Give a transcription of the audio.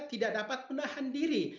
tidak dapat menahan diri